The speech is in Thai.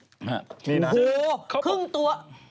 โอ้โหครึ่งตัว